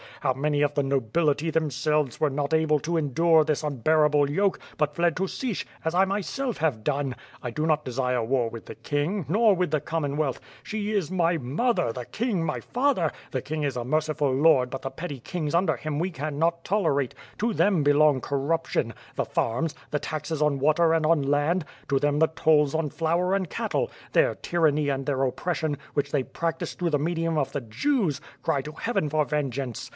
How many of the nobility themselves were not able to endure this unbearable yoke, but fled to Sich, as T myself have done. I do not desire war with the king, nor with tlie Commonwealth! She is my 148 WITH FIRE AND SWORD. mother, the king my father; the king is a merciful lord but the petty kings under him we can not tolerate; to them be long corruption; ihe farms; the taxes on water and on land; to them the tolls on flour and cattle; their tyranny and their oppression, which they practice through the medium of the Jews, cry to Heaven for vengeance!